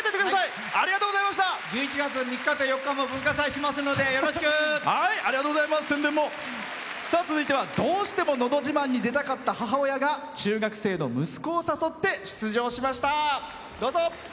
１１月の３日と４日も文化祭しますので、よろしく！続いては、どうしても「のど自慢」に出たかった母親が中学生の息子を誘って出場しました。